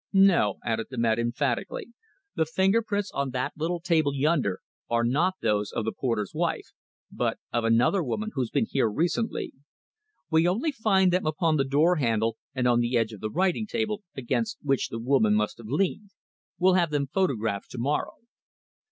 No," added the man emphatically, "the finger prints on that little table yonder are not those of the porter's wife, but of another woman who's been here recently. We only find them upon the door handle and on the edge of the writing table, against which the woman must have leaned. We'll have them photographed to morrow."